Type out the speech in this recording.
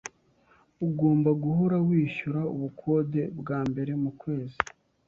Ugomba guhora wishyura ubukode bwambere mukwezi.